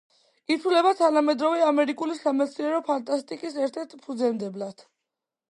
ითვლება თანამედროვე ამერიკული სამეცნიერო ფანტასტიკის ერთ-ერთ ფუძემდებლად.